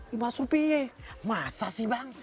lima rupiah masa sih bang